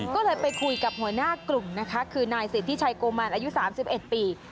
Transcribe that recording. ก็เลยไปคุยกับหัวหน้ากลุ่มนะคะคือนายสิทธิชัยโกมานอายุ๓๑ปี